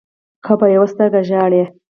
که په يوه سترګه ژاړې